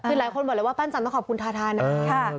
คือหลายคนบอกเลยว่าปั้นจันต้องขอบคุณทาทานะ